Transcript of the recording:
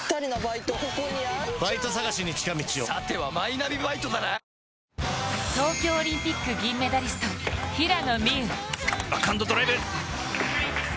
ニトリ東京オリンピック銀メダリスト、平野美宇。